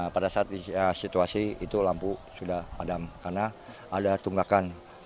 pada saat situasi itu lampu sudah padam karena ada tunggakan